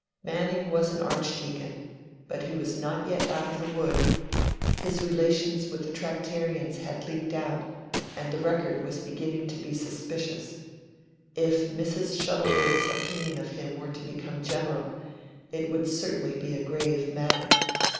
Manning was an Archdeacon; but he was not yet out of the woods. His relations with the Tractarians had leaked out, and the Record was beginning to be suspicious. If Mrs. Shuttleworth's opinion of him were to become general, it would certainly be a grave matter.